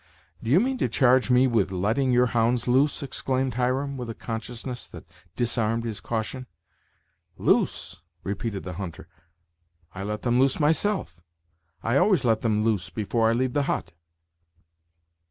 "Do you mean to charge me with letting your hounds loose?" exclaimed Hiram, with a consciousness that disarmed his caution. "Loose!" repeated the hunter "I let them loose myself. I always let them loose before I leave the hut."